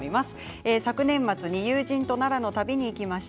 昨年末に友人と奈良の旅に行きました。